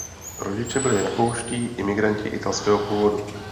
Rodiče byli rakouští imigranti italského původu.